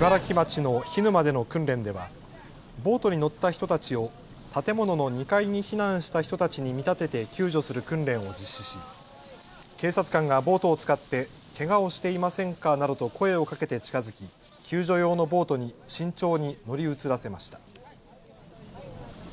茨城町の涸沼での訓練ではボートに乗った人たちを建物の２階に避難した人たちに見立てて救助する訓練を実施し警察官がボートを使ってけがをしていませんかなどと声をかけて近づき、救助用のボートに慎重に乗り移らせました。